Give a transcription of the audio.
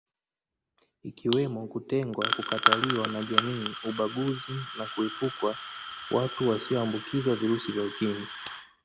Ikiwemo kutengwa kukataliwa na jamii ubaguzi na kuepukwa watu wasioambukizwa virusi vya Ukimwi